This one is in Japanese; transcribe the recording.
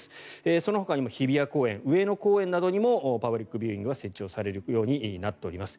そのほかにも日比谷公園上野公園などにもパブリックビューイングが設置されるようになっております。